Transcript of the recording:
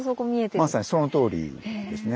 まさにそのとおりですね。